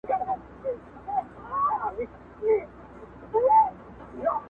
• سل توپکه به په یو کتاب سودا کړو,